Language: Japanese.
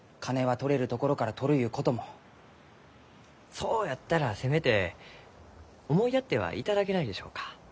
そうやったらせめて思いやってはいただけないでしょうか？